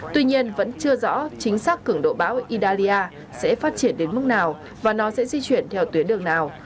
tuy nhiên vẫn chưa rõ chính xác cứng độ bão italia sẽ phát triển đến mức nào và nó sẽ di chuyển theo tuyến đường nào